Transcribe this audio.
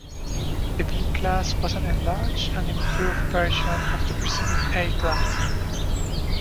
The B class was an enlarged and improved version of the preceding A class.